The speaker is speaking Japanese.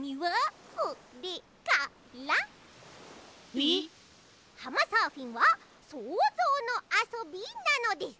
ピッ？はまサーフィンはそうぞうのあそびなのです。